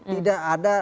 tidak ada unik